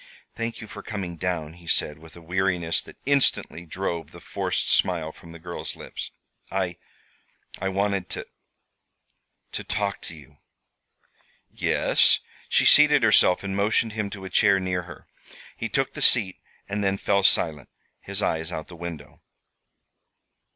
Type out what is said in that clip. "Thank you for coming down," he said, with a weariness that instantly drove the forced smile from the girl's lips. "I I wanted to to talk to you." "Yes?" She seated herself and motioned him to a chair near her. He took the seat, and then fell silent, his eyes out the window.